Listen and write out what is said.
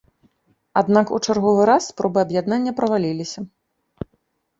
Аднак у чарговы раз спробы аб'яднання правалілася.